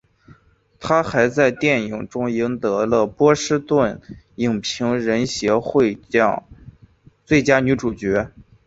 她还在电影中赢得了波士顿影评人协会奖最佳女主角。